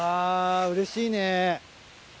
うれしいね。